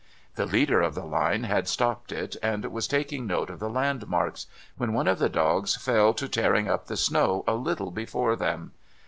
The leader of the line had stopped it, and was taking note of the landmarks, when one of the dogs fell to tearing up the snow a little before them.